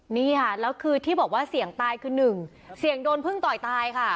นี่ค่ะแล้วคือที่บอกว่าเสี่ยงตายคือหนึ่งเสี่ยงโดนพึ่งต่อยตายค่ะ